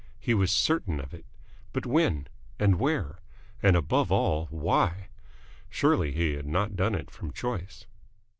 He was certain of it. But when? And where? And above all why? Surely he had not done it from choice.